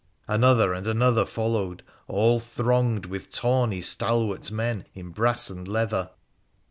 Another and another followed, all thronged with tawny stalwart men in brass and leather.